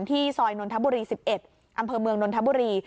ซอยนนทบุรี๑๑อำเภอเมืองนนทบุรี